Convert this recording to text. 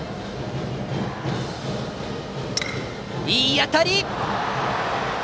いい当たり！